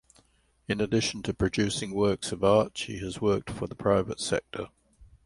In addition to producing works of art she has worked for the private sector.